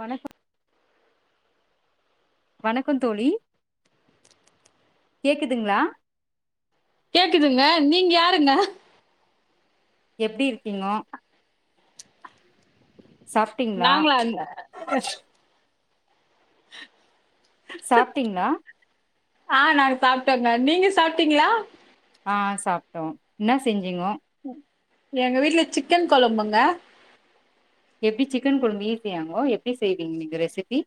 வணக்கம் வணக்கம் தோழி கேக்குதுங்களா கேக்குதுங்க நீங்க யாருங்க எப்டி இருக்கீங்கோ சாப்ட்டீங்களா நாங்ளா அந்த சாப்ட்டீங்களா ஆஹ் நாங்க சாப்ட்டோங்க நீங்க சாப்ட்டீங்களா ஆஹ் சாப்ட்டோ என்ன செஞ்சிங்கோ எங்க வீட்டுல சிக்கன் கொழம்புங்க எப்டி சிக்கன் குழபு ஈசியாங்கோ எப்டி செய்வீங்க நீங்க ரெசிபி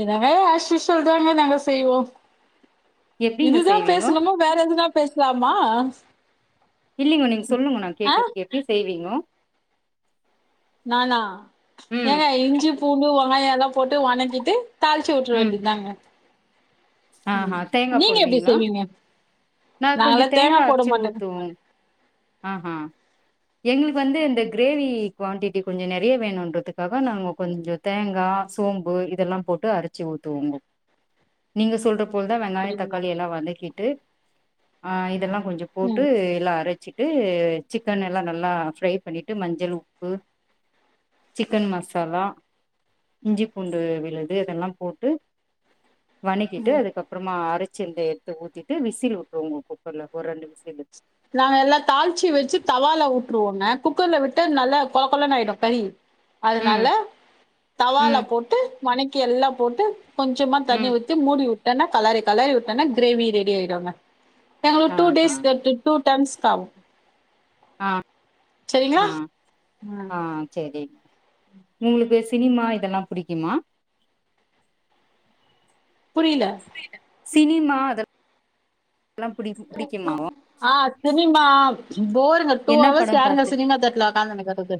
என்னங்க அஸ் யூஸ்வல் தாங்க நாங்க செய்வோ எப்டிங்க இதுதா செய்வீங்கோ பேசணுமோ வேற எதுனா பேசலாமா இல்லலைங்க நீங்க சொல்லுங்க நா ஆ கேகறதுக்கு எப்படி செய்வீங்கோ நானா ம் ஏங்க இஞ்சி பூண்டு ஒ ங்காய எல்லா போட்டு வணக்கிட்டு தாளிச்சிட்டுற வேண்டியதாங்க ஆஹ்ஹ தேங்கா போடுவீங்களா செய்வீங்க? நா கொஞ்ச நாங்கலாம் தேங்கா போட அச்சு மாட்டோங்க. ஊத்துவோ ஆஹ்ஹ எங்களுக்கு வந்து இந்த கிரே [unintelligible] குவாண்டிட்டி கொஞ்ச நெரிய வேணும்ன்றதுக்காக நாங்க கொஞ்ச தேங்கா சோம்பு இதெல்லா போட்டு அரைச்சு ஊத்துவோங்க நீங்க சொல் அதுபோல தா வெங்காய புரியுதுங்களா? தக்காளி எல்லா வதக்கிட்டு ஆஹ் இதெல்லா கொஞ்சொ போட்டு ம், எல்லா அரச்சு ட்ரு சிக்கன் எல்லா நல்லா ஃப்ரை பண்ணிட்டு மஞ்சள் உப்பு சிக்கன் மசாலா இஞ்சி பூண்டு விழுது உ அதெல்லா போட்டு வனக்கிட்டு ம். அதுக்கப்றமா அரச் சித எடுத்து ஊத்திட்டு விசில் வுட்டுருவோ [unintelligible] குக்கர்ல ஒரு ரெண்டு வி நாங் எல்ல தாலிச்சி வெச்சு தவால வுட்ருவோ நா குக்கர்ல விட்டு நல்லா கொல கொலன் ஆய்டு கறி அதனால ம் தவால ம் போட்டு வனக் எல்லா போட்டு கொஞ்சம்மா தண்ணி ம் ஊத்தி மூடி உ ட்டனா கலறி கலறி வுட்டனா கிரேவி ரெடி ஆய்டுங்க [unintelligible] ஆ டூ ஹா டேஸ் [unintelligible] டூ டைம்ஸ் காவு அ அ ம். அ செரி செரி உங்ளுக்கு சினிமா இதெல்லா புடிக்குமா புரியில சினிமா அதெல் ஆஹ் சினிமா போர் அ டூ என்ன அவர்ஸ் படம் யாருங்க பாத்து சினிமாதேட்டர்ல உக்கார்ந்துனு இருக்கறது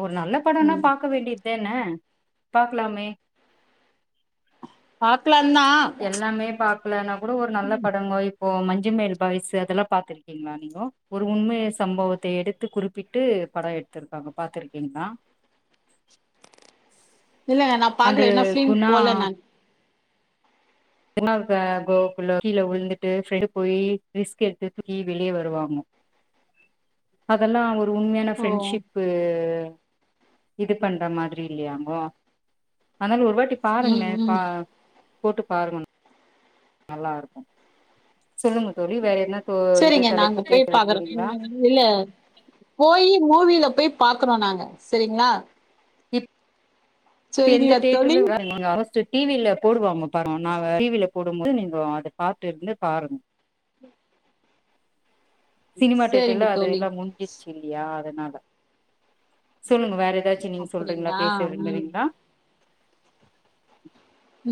ஒரு நல்ல படம்னா பாக்க வேண்டியதுதானே பாக்கலாமே பாத் எல்லாமே பாக்கலனா கூட ஒரு நல்ல படங்கோய் இப்ப மஞ்சுமேல் பாய்ஸ் அதெல்லாம் பாத்துருக்கீங்களா நீங்கொ ஒரு உண்ம சம்பவத்தை எடுத்து குறிப்பிட்டு படம் எடுத்திருக்காங்க பாத்துருக்கீங்களா இல்லைங்க நான் பா்கக்கல என்ன ஃபிலிம் போல நான் [unintelligible] கோக்குள்ள கீழ விழுந்துட்டு போய் ரிஸ்க் எடுத்து தூக்கி வெளியே வருவாங்க அதெல்லாம் உண்மயான ஓ ஃபரெண்ட்ஷிப் இது பண்ற மாதிரி இல்லையாமோ அதனால ஒரு வாட்டி ம் பாருங்கள ம் பா போட்டு பாருங்க நல்லா இருக்கும் சரிங்க நாங்க பேச போய் பாக்குறோம் விரும்புறீங்களா இல்ல போயி மூவில போய் பாக்குறோ நாங்க செரிங்களா இப் இப்ப எந்த தோழி தியேட்டருன்னு வருமாங்க [unintelligible] டிவில போடுவாங்க பாருங்க நாங்க டிவில போடும்போது நீங்க அதை பார்த்து இருந்து பாருங்க சினிமா தியேட்டர்ல சரிங்க அது தோழி எல்லாம் முஞ்சிச்சு இல்லையா அதனால சொல்லுங்க வேற ஏதாச்சும் நீங்க சொல்றீங்களா அப்படிங்களா ம் பேசவிரும்புரீங்களா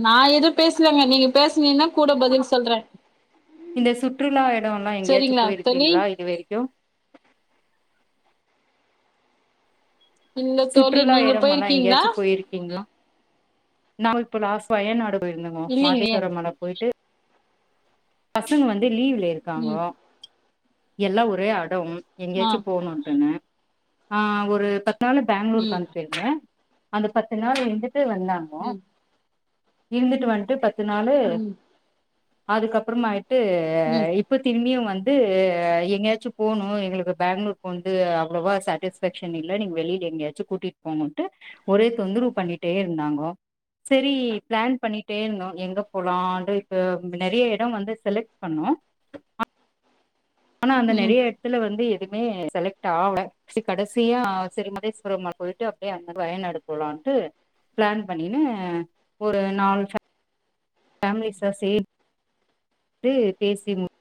நான் எதும் பேசலங்க நீங்க பேசுனீன்கனா கூட பதில் சொல்றேன் இந்த சுற்றுலா இடம் எல்லாம் எங்கேயாச்சும் சரிங்களா தோழி போயிருக்கீங்களா இது வரைக்கும் இல்ல தோழி சுற்றுலா நீங்க இடமெல்லாம் போயிருக்கீங்களா எங்கேயாச்சும் போயிருக்கீங்களா நான் இப்ப லாஸ் வயன்நாடு போயிருந்தேங்கோ இல்லைங்களே மாதேஸ்வரமலை போயிட்டு பசங்க வந்து லீவ்ல ம் இருக்காங்கோ எல்லாம் ஒரே அடம் ஆ எங்கேயாச்சும் போகணுனு சொன்னேன் ஆ ஒரு பத் அதனால பெங்களுருக்கு ம் அனுப்பிருங்க அந்த பத்து நாள் எஞ்சப் த்து வந்தாங்கோ ம் இந்துட்டு வந் த்து பத்து நாலு அதுக்கப் ப்பறோமாயிட் த்து ம் ம் இப்ப திரும்பியு வந் து எங்கயாச்சு போனு எங்களுக்கு பேங்களூர் போன்து அவ்ளோவா ஸ்டடீஸ்ஃபேக்சன் இல்ல நீங்க வெளில எங்கயாச்சு கூட்டிட்டு போங்கோன்ட்டு ஒரே தொந்தரவு பண்ணிட்டே இருந்தாங்கோ செரி பிளான் பண்ணிட்டே இருந்தோ எங்க போலான்ட்டு இப்ப நெறய இட எடோ வந்து செலக்ட் பண்ணோ அ ஆனா அந்த ம் நெறய எஎத்துல வந்து எதுமே செலக்ட் ஆவுல சி கடைசியா செரி மதேஸ்வரம்மா போயிட்டு அப்டியே அங்கருந்து வயனாடு போலான்ட்டு பிளான் பண்ணின்னு ஒரு நாலு சே ஃபேமிலிஸ்ஷ சேர்ந் த்து பேசி முடிச்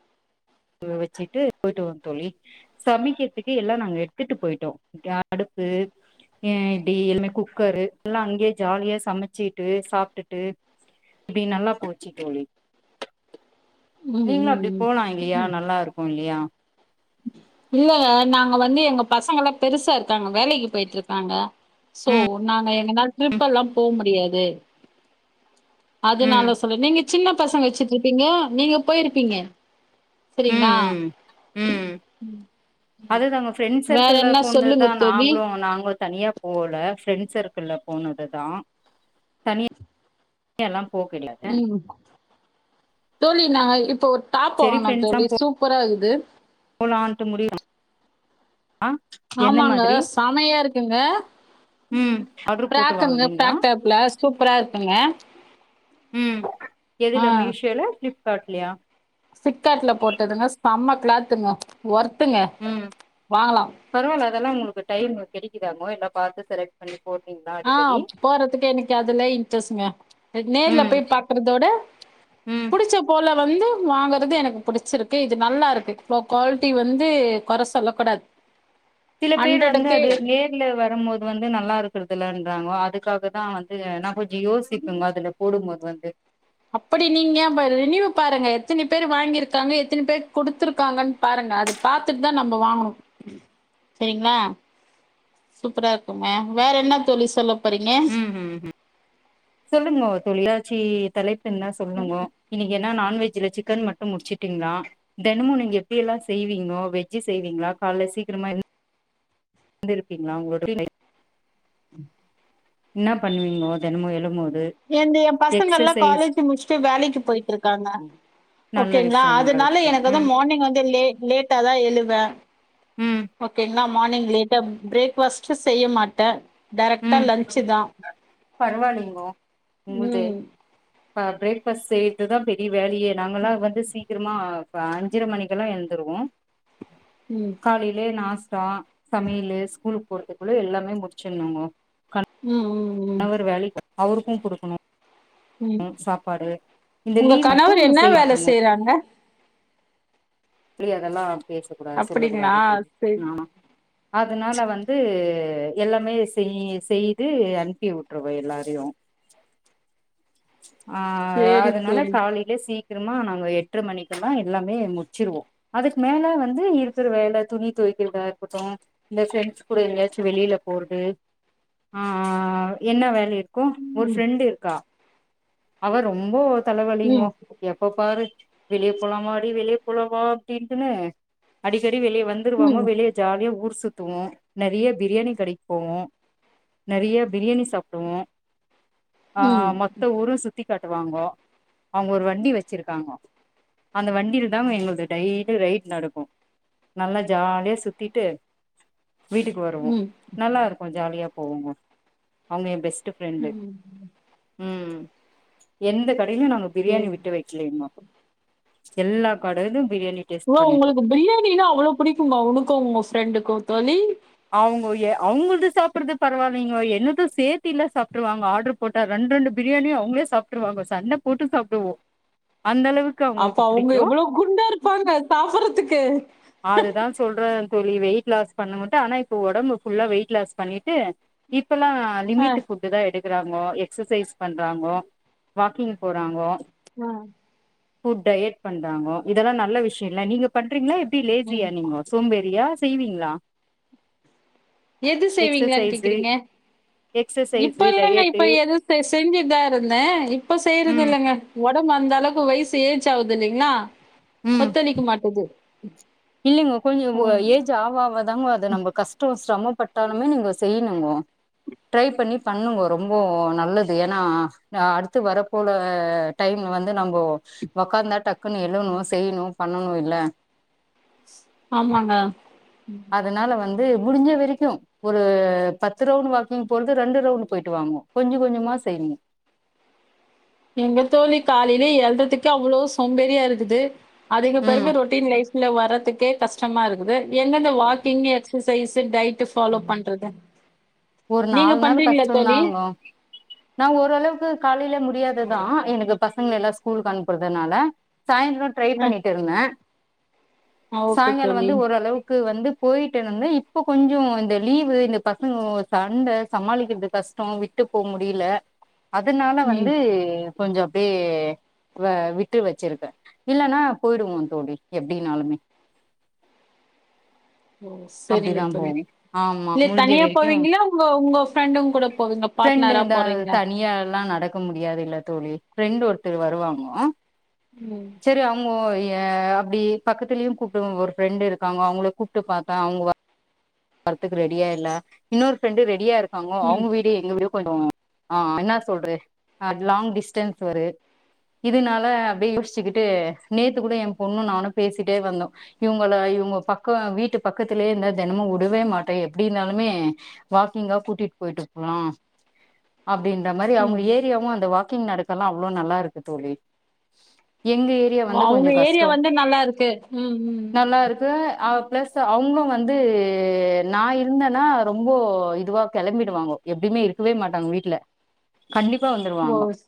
அ வெச்சுட்டு போயிட்டு வோம் தோழி சமிக்கித்துக்கு எல்லா நாங்க எடுத்துட்டு போயிட்டோ கே அடுப்பு ஆ இப்டி எல்லுமே குக்கரு எல்லா அங்கேயே ஜாலியா சமச்சுட்டு சாப்டுட்டு இப்டி நல்லா போச்சு தோழி ம் நீங்ளு அப்டி ம் போலா இல்லியா நல்லா இருக்கு இல்லியா இல்லங்க நாங்க வந்து எங்க பசங்க எல்லா பெருசா இருக்காங்க வேலைக்கு போயிட்ருக்காங்க சோ ம் நாங்க எங்கான ட்ரிப் எல்லா போ முடியாது ம் அதனால சொல்லி நீங்க சின்னப் பசங்க வச்சிட்ருப்பீங்க நீங்க போயிருப்பீங்க உம் சரிங்களா உம் உம் அதுதாங்க ஃப்ரெண்ட்ஸ் வேற சர்க்கிள் என்ன சொல்லுங்க போனதுதா தோழி நாங்களு நாங்களு தனியா போல ஃப்ரெண்ட் சர்க்கள்ல போனதுதா தனிய எல்லா போ [unintelligible] ம் தோழி நாங்க இப்போ ஒர் டாப் செரி [unintelligible] ஃப்ரெண்ட்ஸா தோழி சூப்பரா இருகுது து போலான்ட்டு முடிவு பண்ண ஆ ஆமாங்க சமயா இருக்குங்க ம் ஆர்டர் போட்டு பிரக்குங்க வாங்குனீங்களா பிரக்டேப்ல சூப்பரா இருக்குங்க ஆ காட்லியா கிளாத்துங்கோ ஒர்த் உம் பரவால்ல அதெல்லா உங்களுக்கு டைம் இருக் கெடைக்குதாங்கோ எல்லா பாத்து செலக்ட் பண்ணி போட்றீங்களா ஆ, அடிக்கடி போறதுக்கு எனக்கு அதுல இன்ட்ரஸ்ஸுங்க எனக்கு நேர்ல ம் போய் பாக்குறதோட ம் புடிச்ச போல வந்து வாங்கறது எனக்கு புடிச்சிருக்கு இது நல்லாருக்கு ஒ குவால்ட்டி வந்து கொற சொல்ல கூடாது சில பேர் வந்து அது நேர்ல வரும்போது வந்து நல்லா இருக்குறதுலான் [unintelligible] அதுக்காகதா வந்து நா கொஞ்சோ யோசிப்பங்க அதுல போடும்மோது வந்து அப்படி நீங்யா ப ரின்வ்யூ பாருங்க எத்தினி பேரு வாங்கிருக்காங்க எத்தினி பேர் குடுத்துருக்காங்கன் பாருங்க அது பாத்துட் தா நம்ப வாங்கணு சேரிங்ளா சூப்பரா இருக்குங்க வேற என்ன தோழி சொல்லும் ம் ஹம் ம் சொல்லுங்லோ தொழிலாட்சி தலைப் பின்னா சொல்லுங்கோ இன்னிக்கென்னா நான்வெஜ் ஜ்ல சிக்கன் மட்டு முடிச்சுட்டீங்ளா தெனமு நீங்க எப்டி எல்லா செய்வீங்கோ வெஜ்ஜு செய்வீங்ளா கால்ல சீக்கிரமா எந் ந்திருப்பீங்ளா [unintelligible] என்ன பண்வீங்கோ தெனமு எழுமோ என்டு என் பசங்கல்லா காலேஜு முடிச்ட்டு வேலைக்கு போயிட்ருக்காங்க நல்ல ஓகேங்களா விஷயம் நல்ல அதுனால விஷயம் எனக் வந்து ம் மோர்னிங் வந்து லேட் லேட்டா தா எழுவ ம் ஓகேங்ளா மோர்னிங் லேட்டா பிரேக்ஃபாஸ்ட்டு செய்ய மாட்ட டேரெக்ட்டா ம் லன்ச்சு தா பரவாயில்லைங்கோ உங்கள்து ம் ப பிரேக்ஃபாஸ்ட் செய்யற்துதா பெரிய வேலையே நாங்கல்லா வந்து சீக்கிரமா ப அஞ்சுர மணிக்கெல்லா எந்துருவோ ம் காலைலே நாஸ் ட்டா சமையலு ஸ்கூலுக் போறதுக்குள்ள எல்லாமே முட்ச்சுர்னோங்கோ ம் ம் அவுர் வேலைக் அவுருக்கு குடுக்குணு ம் இந்த உங்க லீவ் மட்டு கணவர் என்னா செய்ய வேல மாட்டோங்கோ செய்றாங்க ப்லி அதல்லா பேசக்கூடாது சொல்ல அப்படிங்களா? கூடாது தோழி சரி, நானா ஆதுனால வந்து எல்லாமே செய் செய்து அன்ப்பி உட்ருவ எல்லாரியு அ சரி ஆதுனால தோழி. காலைலே சீ கிரமா நாங்க எட்ர மணிக்கல்லா எல்லாமே முட்ச்சிருவோ அதுக் மேல வந்து இருக்குற வேல துணி துவைக்கிற்தா இர்க்குட்டு இந்த ஃப்ரெண்ட்ஸ் கூட எங்யாச்சு வெளில போற்து ஆ என்ன வேலி இர் கு ஒரு ம் ஃப்ரெண்ட் இர்க்கா அவ ரொம்போ தலவலிங்கோ ம் எப்ப பாரு வெளிய போலாமாடி வெளிய போலா வா அப்டின்ட்டுனு அடிக் கெடி வெளிய வந்துருவாங்கோ ம் வெளிய ஜாலியா ஊர்ஸ் துத்துவோ நறிய பிரியாணி கடிக் போவோ நறிய பிரியாணி சாப்டுவோ ஆஆ ம் மொத்த ஊரு சுத் த்தி காட்டுவாங்கோ அவுங்க ஒரு வண்டி வெச்சிருக்காங்கோ அந்த வண்டில் தா ம எங்கள்து டைட்டு ரைட் நடக்கு நல்லா ஜாலியா சுத்தீட்டு வீட்டுக்கு வருவோ ம். நல்லா இருக்கு ஜாலியா போவோங்க அவுங்க என் பெஸ் ட்டு ஃப்ரெண்டு ம் எந்த கட் டையிலையு நாங்க பிரியாணி சரி. விட்டு வெக்குலைங்கோ எல்லா கடைலும் ஓ உங்குளுக்கு பிரியாணின்னா அவ்வளோ புடிக்குமா உனக்கோ உங்க ஃப்ரெண்டுக்குத் தோழி அவங்கோ எ அவங்குள்து சாப்புறது பரவாயில்லைங்கோ என்னது சேத்தில்ல சாப்ட்ருவாங்க ஆட்ரு போட்டா ரெண்டு ரெண்டு பிரியாணியு அவங்களே சாப்ட்ருவாங்கோ சண்ட போட்டு சாப்டுவோ அந்த அளவுக்கு அப்ப அவங்களுக்கு அவங்க பிடிக்கு எவ்வளோ குண்டா இருப்பாங்க சாப்புட்றதுக்கு வெயி வெயிட்லாஸ் பண்ணும்போது ட்டு ஆனா இப்போ ஒடம்பு ஃபுல்லா வெயிட் லாஸ் பண்ணிட்டு இப் ப்பல்லா அ, லிமிட்டு ஃபுட்டுதா எடுத் க்குறாங்கோ எக்சசைஸ் பண்றாங்கோ வாக்கிங்கு போறாங்கோ அ, ஹூ டயட் பண்றாங்க இதலா நல்ல விஷ்யொல்ல நீங்க பண்றீங்ளா என் டி ம். லேசியா நீங்கோ சோம்பேரியா செய்வீங்ளா எது செய்வீங்ளான் எக்ஸசைஸு கேக்குறீங்க இப்ப எக்ஸசைஸு இல்லங்க டயட்டு இப்ப எது செ செஞ்சுட்தா இருந்த இப்ப செய்றது ம் இல்லங்க ஒ டம்பு அந்த அளவுக்கு வயசு ஏஜ் ஆவுதில்லைங்களா ஒத்துழிக்க மாட்டுது இல்லிங்க கொஞ்சொ ம். ஏஜ் ஆவ ஆவதாங்க அது நம்ப கஷ்டொ ஷ்ரமப்பட்டாலுமே நீங்க செய்ணுங்க ட்ரை பண்ணி பண்ணுங்கோ ரொம்போ நல்லது ஏன்னா அடுத்து வர போல டைம்ல வந்து நம்போ ஒக்காந்தா டக்குன்னு எழுணு செய்ணு பண்ணணு இல்ல ஆமாங்க அதுனால வந்து முடிஞ்ச வரைக்கு ஒரு பத்து ரவுண்ட் வாக்கிங் போறது ரெண்டு ரவுண்ட் போயிட்டு வாங்கோ கொஞ்ச கொஞ்சமா செய்ணு எங்க தோழி காலைல எழ்றதுக்கே அவ்ளோ சோம்பேரியா இருக்குது அதுக்கு ம் பெறகு ரொட்டீன் லைஃப் ல வர்றதுக்கே கஷ்டமா இருக்குது எங்கருந்து walking exercise diet follow பண்றது ஒரு நீங்க நால் நாள் பண்றீங்களா கஷ்டொ தோழி? தாங்கோ நா ஓரளவுக்கு காலைல மு முடியாதுதா எனக்கு பசங்க எல்லா ஸ்கூல்க்கு அனுப்புறதுனால சாய்ந்தரோ ட்ரை பண்ணிட்டு இருந்த அ ஓகே சாய்ங்காலொ தோழி. வந்து ஓரளவுக்கு வந்து போயிட்டுருந்த இப்போ கொஞ்சொ இந்த லீவு இந்த பசங்க சண்ட சமாளிக்கெற்து கஷ்டொ விட்டுப் போ முடில அதுனால வந்து ம். கொஞ்சொ அப்டியே வ விட்டு வச்சிருக்க இல்லன்னா போய்டுவோ தோழி எப்டின்னாலுமே ஓ சரிங்க தோழி ஆமா இல்ல முடிஞ்ச தனியா வரைக்கு போவீங்களா உங்கோ உங்கொ ஃப்ரெண்டுங் கூட போவீங்க ஃப்ரெண்டு பாட்னரா இந்த போறீங்க தனியால்லா நடக்க முடியாது இல்ல தோழி ஃப்ரெண்டு ஒருத்தர் வருவாங்கோ ம். சரி அவுங்கோ ய அப்டி பக்கத்துலயு கூப்டுவோ ஒரு ஃப்ரெண்டு இருக்காங்கோ அவுங்களையு கூப்ட்டு பாத்த அவுங்க வர்றத்துக்கு ரெடியா இல்ல இன்னொரு ஃப்ரெண்டு ரெடியா இருக் காங்கோ ம். அவுங்க வீடு எங்க வீடு கொஞ்சொ ஆ என்ன சொல்ற அ லாங் டிஸ்டன்ஸ் வரு இதுனால அப்டியே யோசிச்சுக் ட்டு நேத்து கூட ஏம் பொண்ணு நானு பேசிட்டே வந்தோ இவுங்கள இவுங்க பக்கொ வீட்டு பக்கத்துலயே இருந்தா தெனமு விடவே மாட்ட எப்டி இருந்தாலுமே வாக்கிங்கா கூட்டிட் போயிட்டு போலா அப்டின்ற மாரி அவுங்க ம். ஏரியாவு அந்த வா க்கிங் நடக்கல்லா அவ்வளோ நல்லா இருக்கு தோழி எங்க ஏரியா ஓ வந்து அவங்க கொஞ்சோ ஏரியா கஷ்டோ வந்து நல்லா இருக்கு. ம். ம். நல்லா ம். இருக்கு அப் ப்ளஸ் அவங்களு வந்து து நா இருந்தன்னா ரொம்போ இதுவா கெளம்பிடு வாங்கோ எப்பயுமே இருக்கவே மாட்டாங்க வீட்ல கண்டிப்பா ஓ! வந்துருவாங்க ஸ்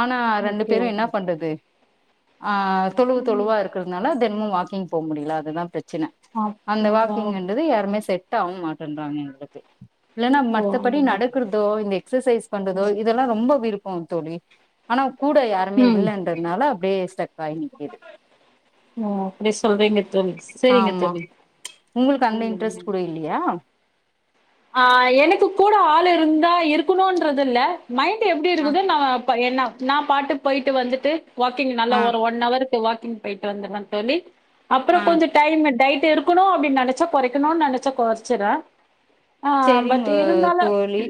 ஆனா ரெண்டு ஓகே. பேரு என்ன ஓகே. பண்றது ஆ தொழுவு தொழுவா இருக்கிறதுனால து இன்னு வாக்கிங் போ முடியல அதுதா ப்ரச் சன அந்த வாக் அப்படிங்களா? இங்க இந்தது யாருமே செட் டாக மாட்டன்றாங்க எங்ளுக்கு இல்லன்னா ஓ மத்தபடி அந்த மாரி. நடக்கிறதோ இந்த எக்சசைஸ் பண்றதோ இதெல்லா ரொம்ப விருப்போ தோழி ஆனா கூட யாருமே ம். இல்லன்றத்னால அப்டியே ஸ்டக் ஆகி நிக்குது ஓ அப்டி சொல்றீங்க தோழி சரிங்க ஆமா தோழி உங்களுக்கு அந்த இன்ட்ரஸ்ட் ம். கூட இல்லையா ஆ எனக்கு கூட ஆள் இருந்தா இருக்கணுன்றதுல்ல மைண்ட்டு எப்டி ஆ இருக்குது நா பைய்யன்னா நா பாட்டு போய்ட்டு வந்துட்டு ப வாக்கிங் நல்லா ஆ ஒரு ஒன் அவர் தோ வாக்கிங் போய்ட்டு வந்துருவ தோழி அப்றோ ஆ கொஞ்சோ டைமு டைட் டு இருக்குணு அப்டினு நெனச்சா கொறைக்கணுன் நெனச்சா கொறச்சிற செரிங்க தோழி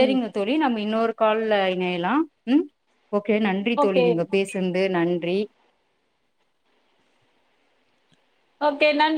ம் தோழி நம்ம இன்னொரு கால்ல இனையலா ம் ஓகே நன்றி தோழி ஓகே. நீங்க பேசுன்து நன் ப்ரீ ஓகே நன்றி